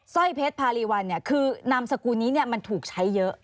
สร้อยเพชรภารีวัลเนี่ยคือนามสกุลนี้เนี่ยมันถูกใช้เยอะ